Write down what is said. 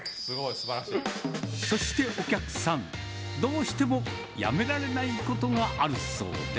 そしてお客さん、どうしてもやめられないことがあるそうで。